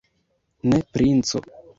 Ne, princo!